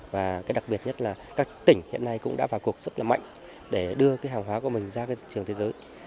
và đặc biệt nhất là các tỉnh hiện nay cũng đã vào cuộc rất là mạnh để đưa cái hàng hóa của mình ra trường thế giới